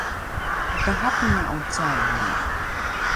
otarapinga’o caili?